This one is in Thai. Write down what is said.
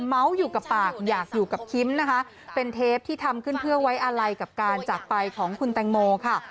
เมาส์อยู่กับปากอยากอยู่กับคิมนะคะเป็นเทปที่ทำขึ้นเพื่อไว้อะไรกับการจากไปของคุณแตงโมค่ะ